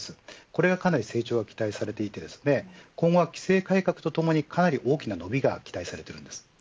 これがさらに成長が期待されていて今後、規制改革とともに大きな伸びが期待されています。